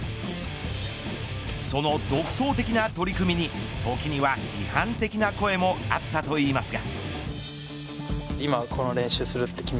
その独創的な取り組みに時には批判的な声もあったといいますが。